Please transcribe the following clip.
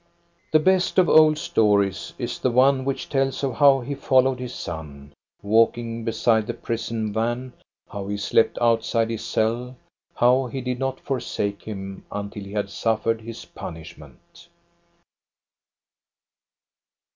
The best of old stories is the one which tells of how he followed his son, walking beside the prison van ; how he slept outside his cell ; how he did not forsake him until he had suffered his punishment.